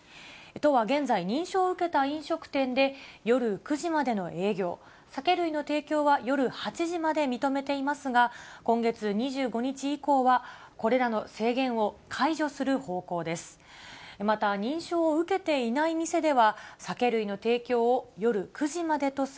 都は現在、認証を受けた飲食店で、夜９時までの営業、酒類の提供は夜８時まで認めていますが、今月２５日以降は、これらの制限を解除する方向です。